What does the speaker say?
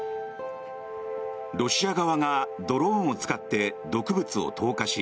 ロシア側がドローンを使って毒物を投下し